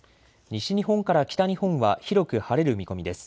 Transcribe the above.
西日本から北日本は広く晴れる見込みです。